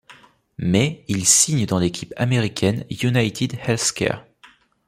Mais, il signe dans l'équipe américaine UnitedHealthcare.